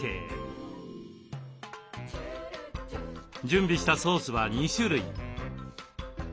準備したソースは２種類。